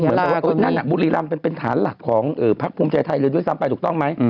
เหมือนกับว่านั่นบุรีรำเป็นฐานหลักของพักภูมิใจไทยเลยด้วยซ้ำไปถูกต้องไหม